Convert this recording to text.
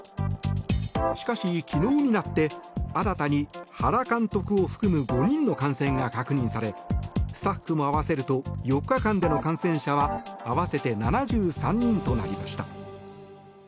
しかし、昨日になって新たに、原監督を含む５人の感染が確認されスタッフも合わせると４日間での感染者は合わせて７３人となりました。